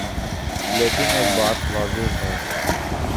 لیکن ایک بات واضح ہے۔